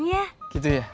iya gitu ya